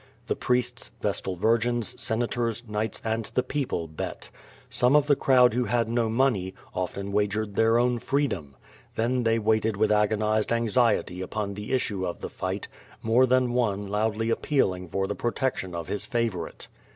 The priests. Vestal Virgins, Sena tors, knights, and the people bet. Some of the crowd who had no money, often wagered their own freedom. Then they waited witli agonized anxiety upon the issue of the light, more than one loudly appealing for the protection of his favorite.